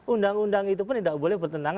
undang undang itu pun tidak boleh bertentangan